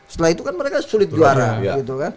setelah itu kan mereka sulit juara